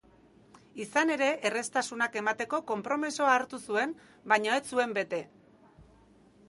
Izan ere, erraztasunak emateko konpromisoa hartu zuen, baina ez zuen bete.